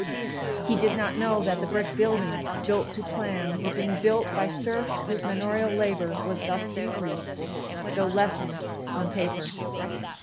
He did not know that the brick buildings, built to plan, were being built by serfs whose manorial labor was thus increased, though lessened on paper.